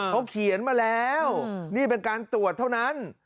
เขาเขียนมาแล้วนี่เป็นการตรวจเท่านั้น